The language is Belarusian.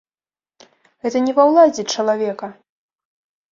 Гэта не ва ўладзе чалавека.